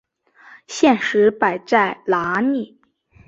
现实摆在哪里！